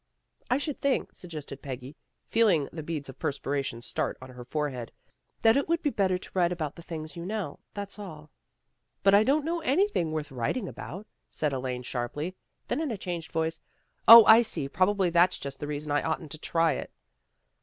" I should think," suggested Peggy, feeling the beads of perspiration start on her forehead, " that it would be better to write about the things you know. That's all." " But I don't know anything worth writing about," said Elaine sharply. Then in a changed voice, " 0, I see! Probably that's just the reason I oughtn't to try it."